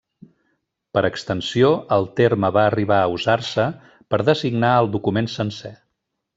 Per extensió, el terme va arribar a usar-se per a designar el document sencer.